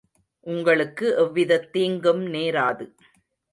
உங்களுக்கு எவ்விதத் தீங்கும் நேராது.